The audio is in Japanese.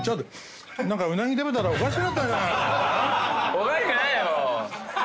おかしくないよ！